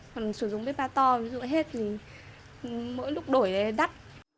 còn sử dụng bếp ga to sử dụng hết thì mỗi lúc đổi là đắt